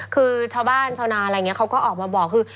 คือชาวบ้านชาวนาอะไรอย่างนี้เขาก็ออกมาบอกคือ